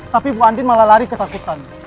tapi bu andin malah lari ketakutan